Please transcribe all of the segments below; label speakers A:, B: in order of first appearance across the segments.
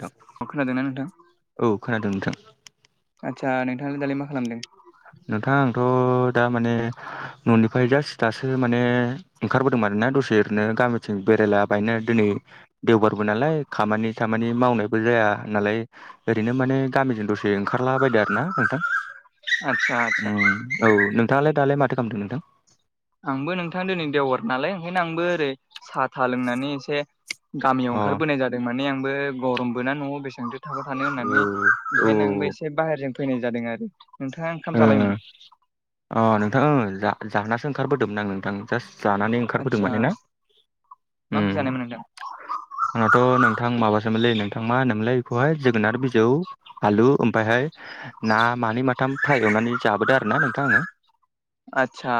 A: औ
B: मा खोनादों ना नोंथां
A: औ खोनादों नोंथां
B: आदसा नोंथांनो दालाय मा खालामदों
A: नोंथांा आंथ' दा माने न'निफ्राय जास्ट दासो माने ओंखारबोदों आरोना दसे ओरैनो गामिथिं बेरायला बायनो दिनै देवबारबो नालाय खामानि खामानि मावनायबो जाया नालाय ओरैनो माने गामिजों दसे ओंखारला बायदों आरो ना नोंथां
B: आतसा
A: औ नोंथाङालाय दालाय माथो खालामदों नोंथां
B: आंबो नोंथां दिनै देवार नालाय ओंखायनो आंबो ओरै साथा लोंनानै एसे गामियाव
A: अ औ
B: ओंखारबोनाय जादों माने आंबो गरमबो ना न'आव बेसेबांथो थाबाय थानो होननानै
A: औ ओ
B: ओंखायनो आंबो एसे बाहेरजों फैनाय जादों आरो नोंथां
A: अ नोंथां जा जाहोनसो ओंखारबोदोंमोन आं नोंथां जास्ट जानानै ओंखारबोदों
B: आदसा
A: माने ना
B: मा ओंख्रि जानायमोन नोंथां?
A: आंनाथ' नोंथां माबासोमोनलै नोंथां मा होनोमोनलै बेखौहाय जोगोनार बिजौ आलु ओमफफ्रायहाय ना मानै माथाम फाइ एवनानै जाबोदों आरो ना नोंथां आङो
B: आतसा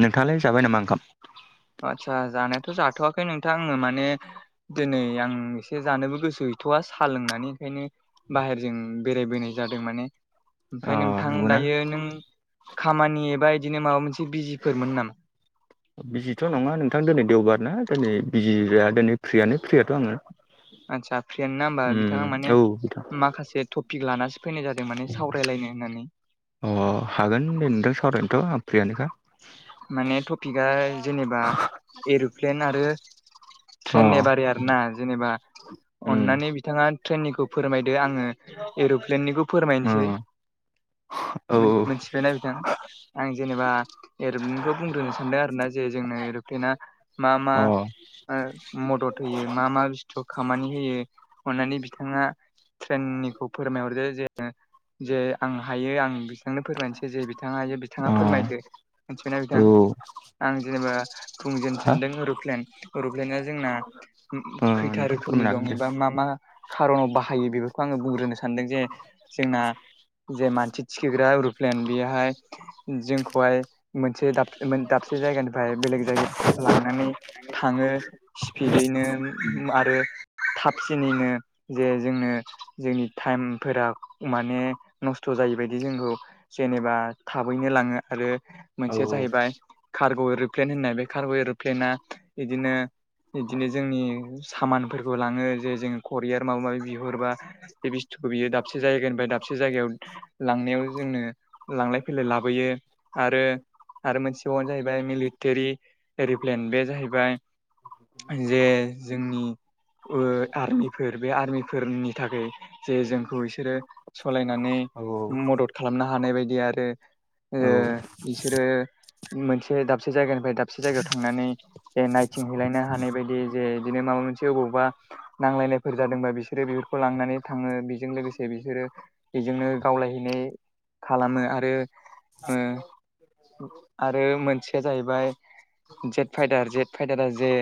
A: नोंथाङालाय जाबाय नामा ओंखाम
B: आतसा जानायाथ' जाथ'वाखै नोंथां आङो माने दिनै आं एसे जानोबो गोसो हैथ'वा साहा लोंनानै ओंखायनो बाहेरजों बेरायबोनाय जादों माने
A: अ
B: ओमफफ्राय नोंथां
A: नंगौना
B: दायो नों खामानि एबा बिदिनो माबा मोनसे बिजिफोरमोन नामा
A: बिजिथ' नङा नोंथां दिनै देवबार नना दिनै बिजिाया दिनै फ्रियानो फ्रियाथ' आङो
B: आदसा फ्रेन्ड ना हबा
A: उम
B: बिथाङा माने
A: औ बिथां
B: माखासे टपिक लानासो फैनाय जादों माने सावरायलायनो होननानै
A: अ हागोन दे नोंथां सावरायनोथ' आं फ्रियानोखा
B: माने टपिकआ जेनेबा एर'प्लेन आरो
A: अ
B: ट्रेननि बारै आरो ना जेनेबा
A: उम
B: अननानै बिथाङा ट्रेननिखौ फोरमायदो आङो एर'प्लेननिखौ
A: अ
B: फोरमायनोसै
A: औ
B: मिथिबाय नायबिदों आं जेनेबा एर'प्लेनखौ बुंग्रोनो सानदों आरो ना जे जोंना एर'प्लना मा मा
A: औ
B: मदद होयो मा मा बुस्थु खामानि होयो अन्नानै बिथाङा ट्रेननिखौ फोरमायहरदो जे जे आं हायो आं बिथांनो फोरमायनोसै जे बिथाङा हायो
A: अ
B: बिथाङा फोरमायदो मिथिना
A: औ
B: आं जेनेबा बुंजेननो
A: हा
B: सानदों एर'प्लेन एर'प्लेनना जोंना
A: ओ
B: खैथा
A: नोंथां
B: रोखोमनि
A: फोरमायनो हागोन
B: दं
A: दे
B: एबा मा मा खार'नाव बाहायो बेफोरखौ आङो बुंग्रोनो सानदों जे जोंना जे मानसि थिखग्रा ररुप्लेन बेहाय जोंखौहाय मोनसे द दाबसे जायगानिफ्राय बेलेग जायगायाव लांनानै थाङो स्पिदैनो आरो थाबसिनैनो जे जोंनो जोंनि टाइमफोरा माने नस्थ' जायैबायदि जोंखौ जेनेबा थाबैनो लाङो आरो
A: औ
B: मोनसे जाहैबाय। कार्ग' एर'प्लेन होननाय बे कार्ग' एर'प्लेना बिदिनो बिदिनो जोंनि सामानफोरखौ लाङो जे जोंो करियार माबा माबि बिहरबा बे बस्थुखौ बियो दाबसे जायगानिफ्राय दाबसे जायगायाव लांनायाव जोंनो। लांलाय फैलाय लाबोयो आरो आरो मोनसेबावनो जाहैबाय मिलिटारि एरिप्लेन बे जाहैबाय। जे जोंनि आर्मिफोर बे आर्मिफोरनि थाखाय जे जोंखौ बिसोरो सालायनानै
A: औ
B: मदद खालामनो हानाय बायदि आरो।
A: औ
B: बिसोरो मोनसे दाबसे जायगानिफ्राय दाबसे जायगायाव थांनानै। जे नायथिंहैलायनो हानाय बायदि जे बिदिनो माबा मोनसे अबावबा। नांलायनायफोर जादोंबा बिसोरो बेफोरखौ लांनानै थाङो बेजों लोगोसे बिसोरो। बेजोंनो गावलायहैनाय खालामो आरो। आरो मोनसेया जाहैबाय जेट फाइटार जेट फाइटारा जे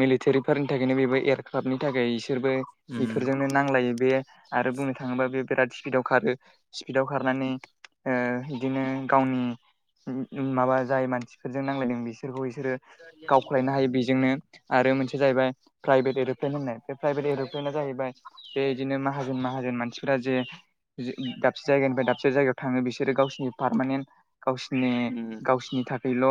B: मिलिटारिफोरनि थाखायनो बेबो एरखाबनि थाखाय बिसोरबो।
A: उम
B: बेफोरजोंनो नांलायो बे आरो बुंनो थाङोबा बे बिराद स्पिडाव खारो। स्पिदाव खारनानै बिदिनो गावनि। माबा जाय मानसिफोरजों नांजलायदों बिसोरखौ बिसोरो गावखलायनो हायो बेजोंनो। आरो मोनसे जाहैबाय प्राइभेट एर'प्लेन होननाय बे प्राइभेट एर'प्लेनना जाहैबाय बे बिदिनो माहाजोन। मोन मानसि जे दसे जायगानिनि दाबसे जाय थाङो बिसोरो गावसिनिसैमोन गावसिनि
A: उम
B: गावसिनि थाखायल'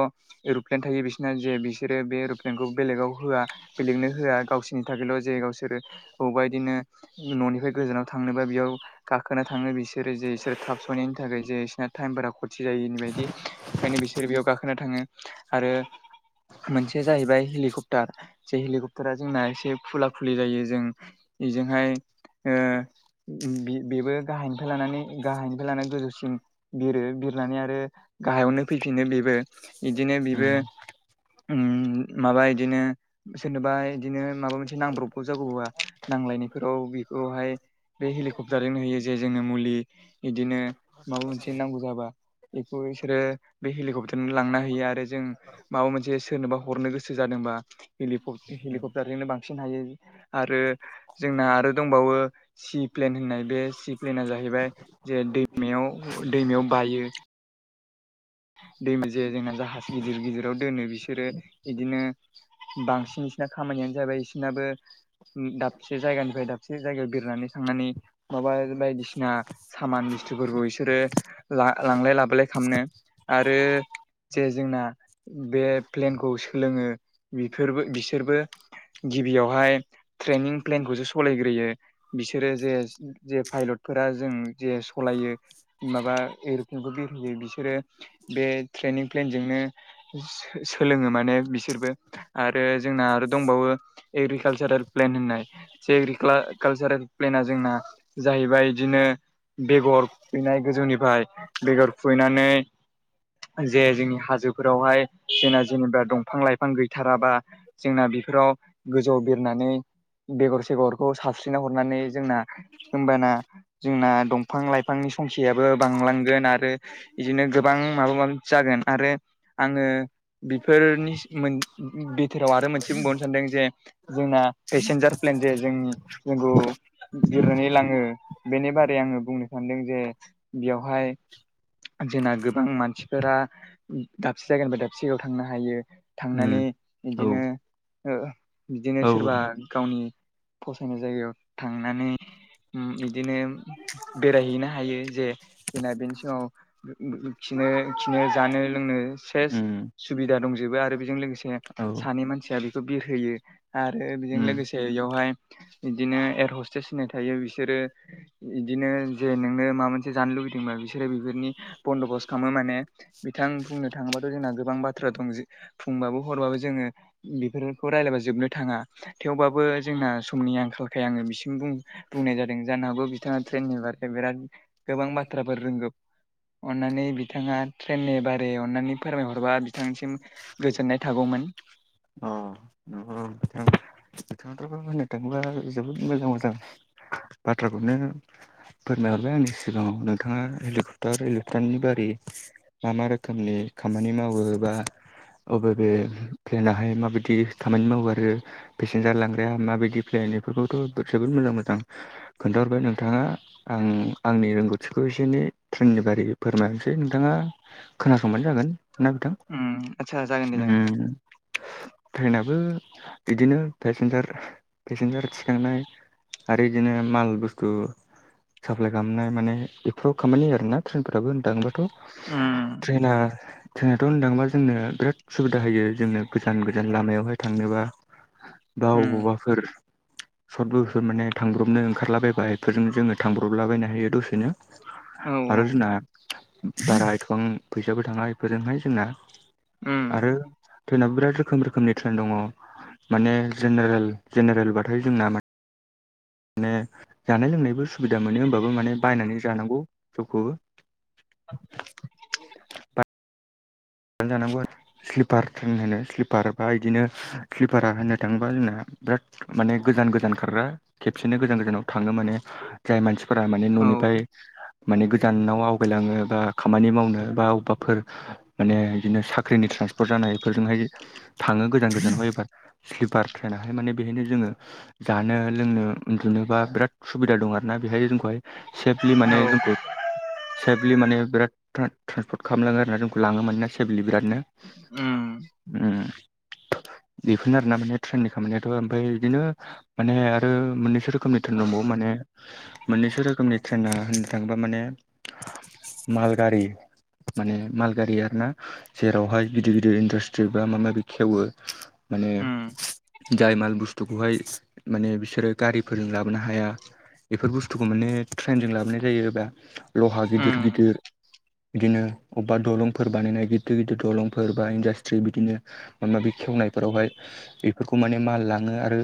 B: एर'प्लेन थायो बिसोरना जे बि बिसोरो बे रुप्लेनखौ बेलेगाव होआ बेलेगनो होआ गावसोरनि थाखायल' जे गावसोरो बबेबा बिदिनो। न'निफ्राय गोजानाव थांनोबा बेयाव गाखोना थाङो बिसोरो जे बिसोरो थाब सहनायनि थाखाय जे बिसोरना टाइमारा ख मिथि जायिनि बायदि ओंखायनो बिसोरो बेयाव गाखोना थाङो आरो। मोनसेया जाहैबाय हेलिकप्टार जे हेलिकप्टारा जोंना एसे खुला खुलि जायो जों। जोंहाय बेबो गाहायनिफ्राय लानानै गाहायनिफ्राय लानानै गोजौसिन बिरो बिरो फनानै आरो गाहायावनो फैफिनो बेबो बिदिनो
A: उम
B: बेबो माबा इदिनो सोरनोबा बिदिनो माबा मोनसे नांब्रबाव जागौबा नांलायनायफोराव बेखौहाय। बे हेलिकप्टारजोंनो होयो जे जोंङनो मुलि बिदिनो माबा मोनसे नांगौ जाबा बेखौ बिसोरो बे हेलिकप्टारजोंनो लांना होयो आरो जों माबा मोनसे सोरनोबा हरनो गोसो ्जादोंबा
A: उम
B: हेलिकप्टारनिजोंनो बांसिन साबफिनो हायो आरो जोंना आरो दंबावो। सि प्लेन होननाय बे सि प्लेना जाहैबाय जे दैमायाव दैमायाव बायो। दैम जाया जोंना जाहाज गिदिर गिदिराव दोनो बिसोरो बिदिनो। बांसिन बिसिना खामानियानो जाबाय बिसिनाबो। दाबसे जायगानिफ्राय दाबसे जायगायाव बिरनानै थांनानै माबा बायदिसिना सामान बुस्थुफोरखौ बिसोरो लांलाय लाबोलाय खालामनो। आरो जे जोंना बे प्लेनखौ सोलोङो बिफोरबो बिसोरबो। गिबियावहाय ट्रेनिं प्लेनखौसो सालायग्रोयो बिसोरो जे जे पायलटफोरा जों जे सालायो। माबा एर'प्लेनखौ बिरहोयो बिसोरो बे ट्रेनिं प्लेनजोंनो सोलोङो माने बिसोरबो आरो जोंना आरो। दंबावो एग्रिकालसारेल प्लेन होननाय। ्रि कालसारेल प्लेना जोंना जाहैबाय बिदिनो। बेगर फुैनाय गोजौनिफ्राय बेगर फुैनानै। जे जोंनि हाजोफोरावहाय जोंना जेनेबा दंफां लाइफां गैथाराबा जोंना बेफोराव गोजौ बेरनानै बेगर सेगरखौ साबस्रिना हरनानै जोंना ओबाना जोंना दंफां - लाइफांनि संखयाबो बांलांगोन आरो इदिनो गोबां माबा माबि जागोन आरो आङो बेफोरनि बिथोराव आरो मोनसे बुंबावनो सानदों जे जोंना पेसेन्जार प्लेन जे जोंनि नोंगौ। गिरनानै लाङो बेनि बारै आङो बुंनो सानदों जे बेयावहाय जोंना गोबां मानसिफोरा दाबसे जायगानिफ्राय दाबसे जायगायाव थांनो हायो।
A: उम
B: थांनानै
A: औ
B: बिदिनो बिदिनो
A: औ
B: सोरबा गावनि फसायनाय जायगायाव थांनानै बिदिनो बेरायहैनो हायो जे जोंना बेनि समाव नो खिनो जानो लोंनो सेस
A: उम
B: सुबिदा दंजोबो आरो बेजों लोगोसे
A: औ
B: सानै मानसिया बेखौ बिरहोयो आरो बेजों
A: उम
B: लोगोसे बेयाव बिदिनो एरहसटेस होनाय थायो बिसोरो बिदिनो मा मोन जानो लुबैदोंबा बिसोरो बेफोरनि बन्द'बस खालामो माने बिथां बुंनो थाङोबाथ' जोंना गोबां बाथ्रा दं बुंबाबो हरबाबो जोङो बेफोरखौ रायलायबा जोबनो थाङा थेवबाबो जोंना समनि आंखालखाय आङो बिसिम बुं बुंनाय जादों जानो हागौ बिथाङा ट्रेननि बारखौ बिराद गोबां बाथ्रा रोंगौ अननानै बिथाङा ट्रेननि बारै अन्नानै फोरमायहरबा बिथांसिम गोजोननाय थागौमोन।
A: अ नंगौ नोंथां। गोथ होननो थाङोबा जोबोद मोजां मोजां बाथ्राखौनो फोरमायहरबाय आंनि सिगाङाव नोंथाङा हेलिकप्टार हलिपटारनि बारि मा मा रोखोमनि खामानि मावो बा अबे बे प्लेनहाय माबायदि खामानि मावो आरो पेसेन्जार लांग्राया माबायदि फ्लेट बेफोरखौथ' जोबोद मोजां मोजां खोन्थाहरबाय नोंथाङा आं आंनि रोंगौथिखौ एसे एनै ट्रेननि बारै फोरमायनोसै नोंथाङा खोनासंबानो जागोन ना नोंथां?
B: उम। आदसा जागोन दे जागोन
A: उम। ट्रेनाबो बिदिनो पेसेन्जार पेसेन्जार थिखांनाय आरो बिदिनो माल बुस्थु साप्लााय खालामनाय माने बेफोराव खामानि आरोना ट्रेनफोराबो होन दाङोबाथ'
B: उम
A: ट्रेना ट्रेनाथ' होननो थाङोबा जोंनो बिराद सुबिदा होयो जोंनो गोजान गोजान लामायावहाय थांनोबा बा
B: उम
A: बबावबाफोर सट बुसत माने थांब्रबनो ओंखारलाबायबा बेफोरजों जोङो थांब्रबलाबायनो हायो दसेनो
B: औ
A: आरो जोंना बारा एसेबां फैसाबो थाङा बेफोरजोंहाय जोंना
B: उम
A: आरो ट्रेनाबो बिराद रोखोम रोखोमनि ट्रेन दङ। माने जेनेरेल जेनेरेलबथाय जोंना मा ने जानाय लोंनायबो सुबिदा मोनो होमबाबो माने बायनानै जानांगौ सबखौबो
B: [inaudible]
A: जानांगौ आरो स्लिपार ट्रेन होनो स्लिपार बा बिदिनो स्लिपारा होनो थाङोबा जोंना बिराद माने गोजान गोजान खारग्रा खेबसेनो गोजान गोजानाव थाङो माने जाय मानसिफोरा माने
B: औ
A: न'निफ्राय माने गोजानाव आवगायलाङो बा खामानि मावनो बा अबेबाफोर माने बिदिनो साख्रिनि ट्रेसफार जानाय बेफोरजोंहाय थाङो गोजान गोजानाव एबा स्लिपार ट्रेेनहाय माने बेहायनो जोङो जानो लोंनो उन्दुनोबा बिराद सुबिदा दं आरोना बेहाय जोंखौहाय सेफलि
B: औ
A: माने जोंखौ सेफलि माने बिराद ट्रेन्सपर्ट खालामलाङो आरोना जों खौ लाङो मान्ना सेभेलि बिरादनो
B: उम
A: उम। बेफोरनो आरोना माने ट्रेननि खामानियाथ' ओमफाय इदिनो माने आरो मोननैसो रोखोमनि ट्रेन दंबावो माने मोननैसो रोखोमनि ट्रेना होननो थाङोबा माने मालगारि माने मालगारि आरोना जेरावहाय गिदिर गिदिर इन्डास्ट्रि बा माबा माबि खेवो माने
B: उम
A: जाय माल बुस्थुखौहाय माने बिसोरो गारिफोरजों लाबोनो हाया। बेफोर बुस्थुखौ माने ट्रेनजों लाबोनाय जायोबा लहा गिदिर
B: उम
A: गिदिर बिदिनो अबबा दलंफोर बानायनाय गिदिर गिदिर दलंफोर बा इन्डास्ट्रि बिदिनो माबा माबि खेवनायफोरावहाय इफोरखौ माने माल लाङो आरो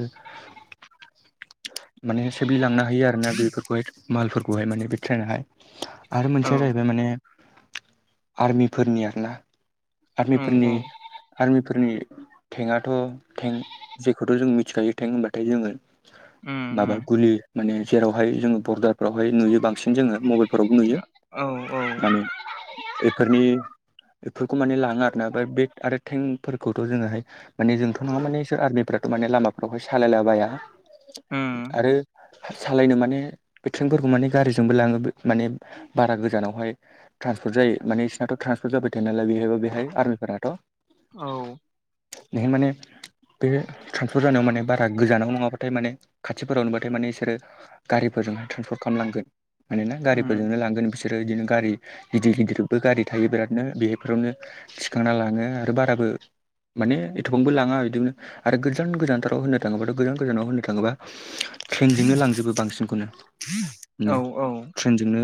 B: [inaudible]
A: माने सेब्लिलांनो हायो आरोना बेफोरखौहाय मालफोरखौहाय माने बे ट्रेनाहाय। आरो
B: औ
A: मोनसेया जाहैबाय माने आर्मिफोरनि आरोना
B: औ
A: आर्मिफोरनि आर्मिफोरनि थेंआथ' थें जेखौथ' जों मिथिखायो थें होमबाथाय जोङो
B: उम
A: माबा गुलि माने जेरावहाय जोङो बरदारफ्रावहाय नुयो बांसिन जोङो मबाइलफोरावबो नुयो।
B: औ औ
A: माने इफोरनि एफोरखौ माने लाङो आरोना ओफाय बे आरो थटेंकफोरखौथ' जोङोहाय माने जोंथ' नङा माने बिसोर आर्मिफ्राथ' माने लामाफोरावहाय सालायला बाया
B: उम
A: आरो सालायनो माने बे ट्रेनफोरखौ माने गारिजोंबो लाङो माने बारा गोजानावहाय ट्रान्सफर्ट जायो माने इससिनाथ' ट्रान्सफर्ट जाबाय थायो नालाय बेहायबो बेहाय आर्मिफोरनाथ'
B: औ
A: नेहाय माने बे ट्रान्सफर जानायाव माने बारा गोजानाव नङाबाथाय माने खाथि फोरावनो बाथाय माने बिसोरो गारिफोरजों हाय ट्रेन्सपर्ट खालाम लांगोन। मानोना
B: उम
A: गारिफोरजोंनो लांगोन बिसोरो इदिनो गारि गिदिर गिदिर बो गारि थायो बिरादनो बेहायफोरावनो थिखांना लाङो आरो बाराबो माने एथबांबो लाङा बिदिनो आरो गोजान गोजानथाराव होनो थाङोबा गोजान गोजानाव होननो थाङोबा ट्रेनजोंनो लांजोबो बांसिनखौनो। माने
B: औ औ।
A: ट्रेनजोंनो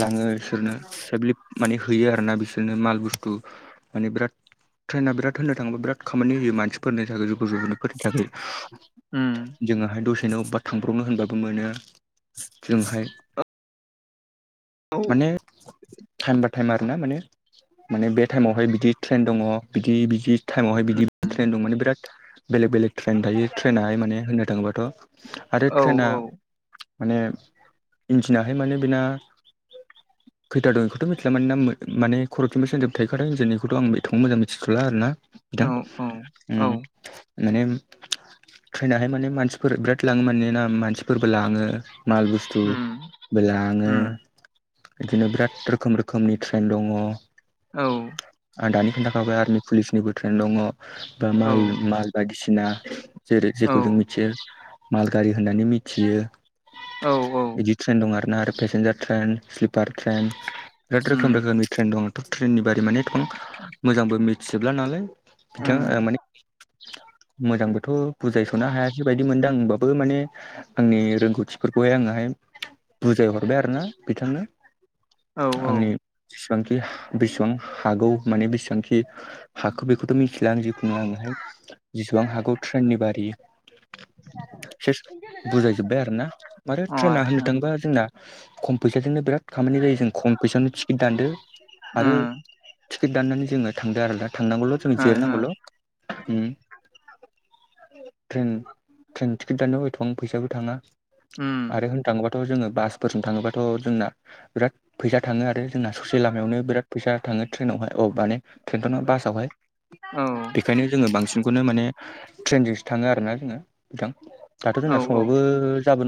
A: लाङो इसोरनो सेबलि माने हैयो आरोना बिसोरनो माल बुस्थु माने बिराद ट्रेना बिराद होनो थाङोबा बिराद खामानि होयो मानसिफोरनि थाखाय जुगु जुगुनायफोरनि थाखाय
B: उम
A: जोंआहाय दसेनो अबबा थांब्रावनो होनबाबो मोनो जोंहाय
B: औ
A: माने टाइम बा टाइम आरो ना माने माने बे टाइमावहाय बिदि ट्रेन दङ बिदि बिदि टाइमावहाय बिदि ट्रेन दं माने बिराद बेलेग बेलेग ट्रेन थायो ट्रेेनाहाय माने होननो थाङोबाथ' आरो
B: औ
A: ट्रेना माने इन्जिनाहाय माने बेना खैथा दं इखौ थ' मिथिला मानोना माने खर'निफ्राय सोजोब थखादों जोंनिखौथ' आं बेखौ मोजां मिथिथ'ला आरो ना। बिथां
B: औ औ औ
A: उम मानेम ट्रेनाहाय माने मानसिफोर बिराद लाङो माने ना मानसिफोरबो लाङो माल बुस्थु
B: उम
A: बेलाङो
B: उम
A: इदिनो बिराद रोखोम रोखोमनि ट्रेन दङ
B: औ
A: आं दानि खोन्था खाबाय आर्मि पुलिसनिबो ट्रेन दङ। बा
B: औ
A: माल माल बायदिसिना जेरै
B: औ
A: जेखौ जों मिथियो माल गारि होननानै मिथियो।
B: औ औ
A: बिदि ट्रेन दं आरोना आरो पेसेन्जार ट्रेन स्लिपार ट्रेन बिराद
B: उम
A: रोखोम रोखोमनि ट्रेन दं थ' ट्रेननि बारि माने एथ'बां मोजांबो मिथिजोबला नालाय
B: उम
A: बिथाङा माने मोजांबोथ' बुजायस'नो हायासै बायदि मोनदों आंबाबो माने आंनि रोंगौथिफोरखौहाय आङहाय बुजाय हरबाय आरो ना बिथांनो
B: औ औ
A: आंनि जेसेबांखि बेसेबां हागौ माने बेसेबांखि हाखौ बेखौथ' मिथिला आं जिखुनु आङोहाय जिेसिबां हागौ ट्रेननि बारि एस बुजायजोब्बाय आरो ना मान
B: अ
A: ट्रेना होनो
B: आतसा
A: थाङोबा जोंना खम फैसाजोंनो बिराद खामानि जायो जों खम फैसायावनो टिकेट दानदो आरो
B: उम
A: टिकेट दाननानै जोङो थांदों आरोना थांनांगौल' जों
B: ओ
A: जिरनांगौल' ट्रेन ट्रेन टिकेट दानोाव एथबां फैसाबो थाङा
B: उम
A: आरो होननो थाङोबाथ' जोङो बासफोरजों थाङोबाथ' जोंना बिराद फैसा थाङो आरो जोंना ससे लामायावनो बिराद फैसा थाङो ट्रेनावहाय अ माने ट्रेन्ट'ना बासावहाय बेखायनो
B: औ
A: जोङो बांसिनखौनो माने ट्रेनजोंसो थाङो आरोोना जोङो बिथां दाथ' जोंना
B: औ औ
A: समावबो जाबोन